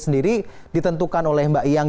sendiri ditentukan oleh mbak yang